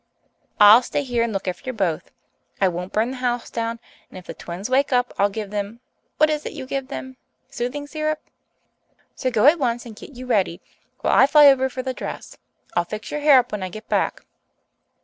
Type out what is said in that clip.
"I'll stay here and look after both. I won't burn the house down, and if the twins wake up I'll give them what is it you give them soothing syrup? So go at once and get you ready, while I fly over for the dress. I'll fix your hair up when I get back."